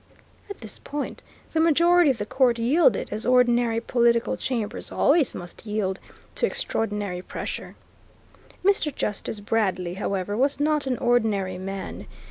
At this point the majority of the court yielded, as ordinary political chambers always must yield, to extraordinary pressure. Mr. Justice Bradley, however, was not an ordinary man.